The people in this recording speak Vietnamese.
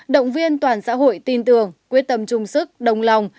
động viên toàn xã hội tin tưởng quyết tâm chung sức đồng lòng